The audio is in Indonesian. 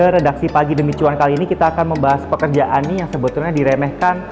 redaksi pagi demi cuan kali ini kita akan membahas pekerjaannya yang sebetulnya diremehkan